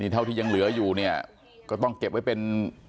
เท่าที่ยังเหลืออยู่เนี่ยก็ต้องเก็บไว้เป็น